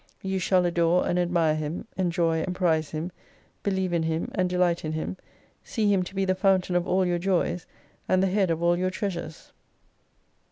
You shall adore and admire Him, enjoy and prize Him ; believe in Him, and Delight in Him, see him to be the Fountain of all your joys, and the Head of all your Treasures.